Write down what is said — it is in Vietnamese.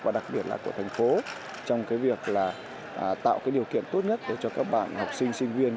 và đặc biệt là của thành phố trong việc tạo điều kiện tốt nhất để cho các bạn học sinh sinh viên